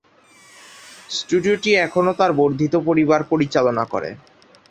স্টুডিওটি এখনও তাঁর বর্ধিত পরিবার পরিচালনা করে।